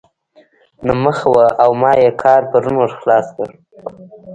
نهه مخه وه او ما ئې کار پرون ور خلاص کړ.